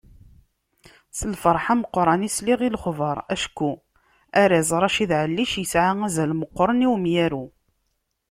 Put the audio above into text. S lferḥ meqqren i sliɣ i lexbar, acku arraz Racid Ɛellic yesɛa azal meqqren i umyaru.